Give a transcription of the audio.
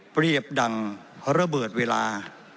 เปรียบดังระเบิดเวลา